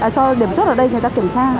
cho điểm chốt ở đây người ta kiểm tra